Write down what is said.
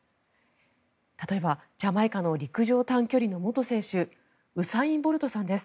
例えば、ジャマイカの陸上短距離の元選手ウサイン・ボルトさんです。